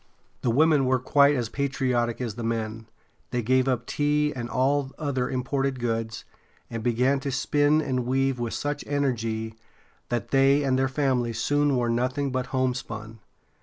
The women were quite as patriotic as the men. They gave up tea and all other imported goods, and began to spin and weave with such energy that they and their families soon wore nothing but homespun.